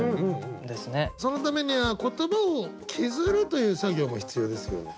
そのためには言葉を削るという作業も必要ですよね。